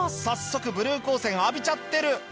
早速ブルー光線浴びちゃってる。